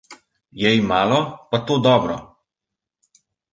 Jej malo, pa to dobro.